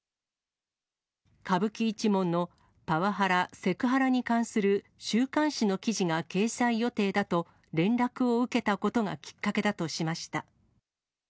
歌舞伎一門のパワハラ、セクハラに関する週刊誌の記事が掲載予定だと連絡を受けたことがきっかけだとしました。